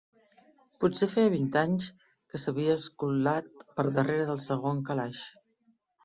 Potser feia vint anys que s'havia escolat per darrera del segon calaix.